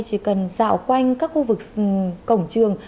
chỉ cần dạo quanh các khu vực cổng trường